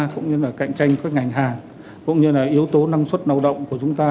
cũng như là cạnh tranh các ngành hàng cũng như là yếu tố năng suất lao động của chúng ta